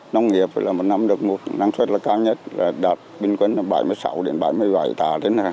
nói chung là đạt bình quân bảy mươi sáu bảy mươi bảy tà